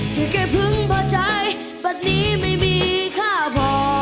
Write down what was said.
ที่แกพึงพอใจบัตรนี้ไม่มีค่าพอ